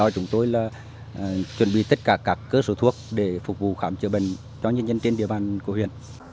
chúng tôi đã chuẩn bị tất cả các cơ sở thuốc để phục vụ khảm chữa bệnh cho nhân dân trên địa bàn của huyện